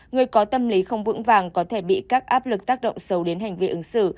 người có tâm lý không vững vàng có thể bị các áp lực tác động sâu đến hành vi ứng xử